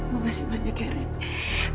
makasih banyak ya red